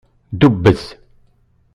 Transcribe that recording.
Dubbez.